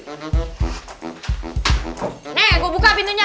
nih gue buka pintunya